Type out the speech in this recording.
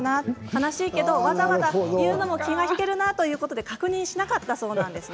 悲しいけど、わざわざ言うのも気が引けるなということで確認しなかったそうです。